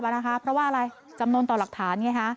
เพราะว่าอะไรจำนวนต่อหลักฐานไงคะ